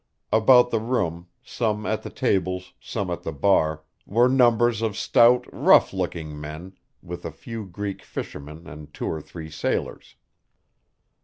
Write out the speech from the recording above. About the room, some at the tables, some at the bar, were numbers of stout, rough looking men, with a few Greek fishermen and two or three sailors.